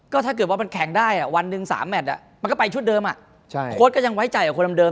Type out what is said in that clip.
ก็ถ้าเกิดว่ามันแข่งได้วันหนึ่ง๓แมทมันก็ไปชุดเดิมโค้ดก็ยังไว้ใจกับคนเดิม